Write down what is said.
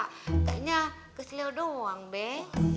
kayaknya keselilauan doang be